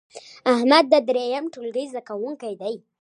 احمد د دریم ټولګې زده کوونکی دی.